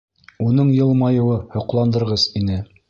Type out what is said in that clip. Уның йылмайыуы һоҡландырғыс ине.